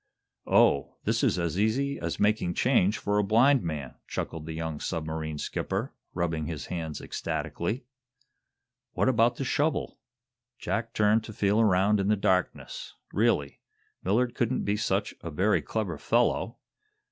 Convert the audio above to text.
"Oh, this is as easy as making change for a blind man!" chuckled the young submarine skipper, rubbing his hands ecstatically. What about the shovel? Jack turned to feel around in the darkness. Really, Millard couldn't be such a very clever fellow!